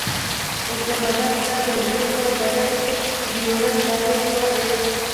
اسلام اباد ستا د وینو په بدل کې ډیورنډ لاین غواړي.